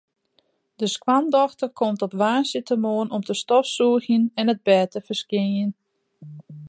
De skoandochter komt op woansdeitemoarn om te stofsûgjen en it bêd te ferskjinjen.